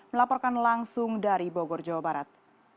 melaporkan langsung dari bogor jawa barat